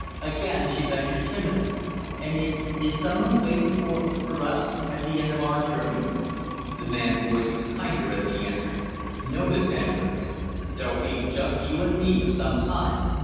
Again, she ventured timidly; "And is, is some one waiting for for us, at the end of our journey?" The man's voice was kinder as he answered, "no, Miss Andrés; there'll he just you and me, for some time.